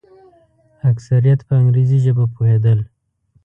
اکثریت په انګریزي ژبه پوهېدل.